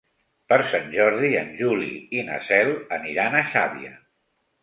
Per Sant Jordi en Juli i na Cel aniran a Xàbia.